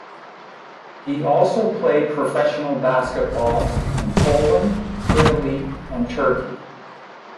He also played professional basketball in Poland, Italy and Turkey.